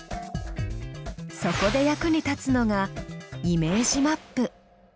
そこで役に立つのがイメージマップ。